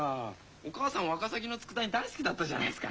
お母さんワカサギのつくだにだいすきだったじゃないですか。